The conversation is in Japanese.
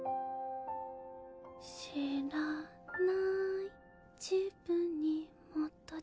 「知らない自分にもっと出会おう」